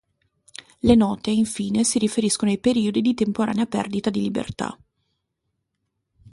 Le note, infine, si riferiscono ai periodi di temporanea perdita di libertà.